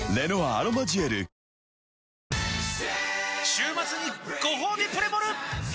週末にごほうびプレモル！